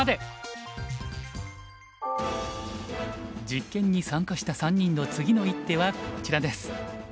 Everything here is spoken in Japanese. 実験に参加した３人の次の一手はこちらです。